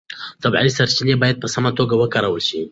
طبیعي سرچینې باید په سمه توګه وکارول شي.